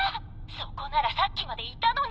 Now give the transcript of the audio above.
そこならさっきまでいたのに。